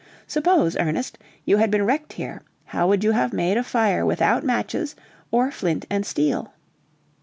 Suppose, Ernest, you had been wrecked here, how would you have made a fire without matches, or flint and steel?"